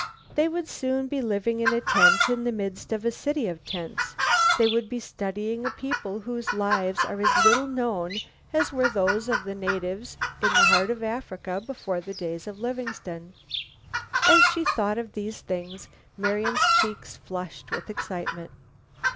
They would soon be living in a tent in the midst of a city of tents. They would be studying a people whose lives are as little known as were those of the natives in the heart of Africa before the days of Livingstone. As she thought of these things Marian's cheeks flushed with excitement.